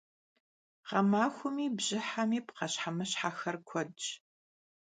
Ğemaxuemi bjıhemi pxheşhemışheş'exer kuedş.